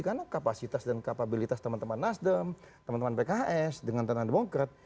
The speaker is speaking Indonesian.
karena kapasitas dan kapabilitas teman teman nasdem teman teman pks dengan tentang demongkret